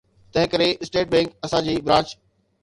تنهنڪري State Bank اسان جي برانچ